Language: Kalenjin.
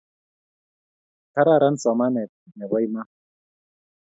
Kararan somanet ne po iman